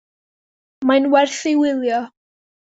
Mae'n werth ei wylio.